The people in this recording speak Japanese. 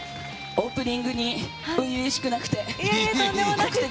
オープニングに初々しくなくて。